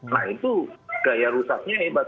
nah itu gaya rusaknya hebat